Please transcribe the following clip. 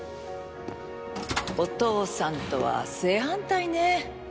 お父さんとは正反対ね。